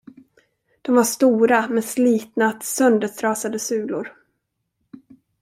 De var stora med slitna söndertrasade sulor.